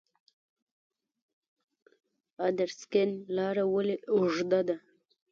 ادرسکن لاره ولې اوږده ده؟